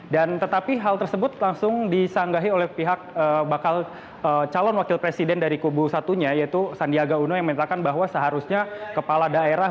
dan tetapi hal tersebut langsung disanggahi oleh pihak bakal calon wakil presiden dari kubu satunya yaitu sandiaga uno yang menilakan bahwa seharusnya kepala daerah